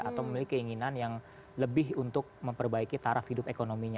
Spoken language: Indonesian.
atau memiliki keinginan yang lebih untuk memperbaiki taraf hidup ekonominya